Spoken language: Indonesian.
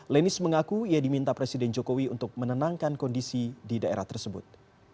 lenis mengaku ia diminta presiden jokowi untuk menenangkan kondisi di daerah tersebut